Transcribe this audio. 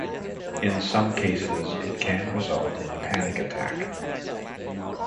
In some cases, it can result in a panic attack.